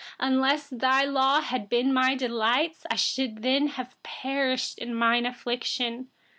92Unless your law had been my delight, I would have perished in my affliction.